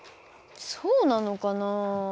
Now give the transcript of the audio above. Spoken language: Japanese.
そうなのかな。